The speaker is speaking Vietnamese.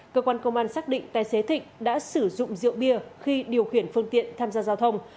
cơ quan công an xác định tài xế thịnh đã sử dụng rượu bia khi điều khiển phương tiện tham gia giao thông